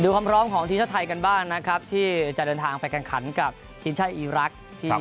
คำร้องของทานทริกาไทยกันบ้างนะครับที่จะเดินทางไปการขันกับทริชายิรักษ์ที่